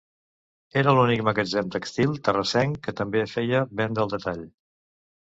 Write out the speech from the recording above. Era l'únic magatzem tèxtil terrassenc que també feia venda al detall.